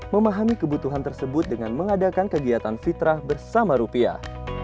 memahami kebutuhan tersebut dengan mengadakan kegiatan fitrah bersama rupiah